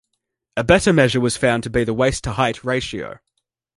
A better measure was found to be the waist-to-height ratio.